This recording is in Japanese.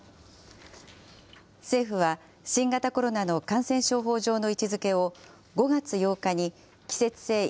政府は新型コロナの感染症法上の位置づけを、５月８日に季節性イ